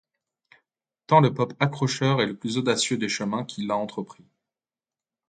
Tant le pop accrocheur et le plus audacieux des chemins, qu’il a entrepris.